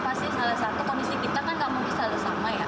pasti salah satu kondisi kita kan gak mungkin sama ya